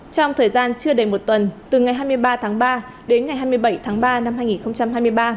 trong thời gian chưa đầy một tuần từ ngày hai mươi ba tháng ba đến ngày hai mươi bảy tháng ba năm hai nghìn hai mươi ba